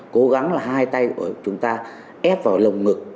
cố gắng là hai tay của chúng ta ép vào lồng ngực